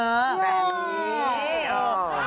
แบบนี้